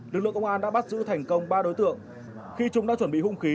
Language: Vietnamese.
lực lượng công an đã bắt giữ thành công ba đối tượng khi chúng đã chuẩn bị hung khí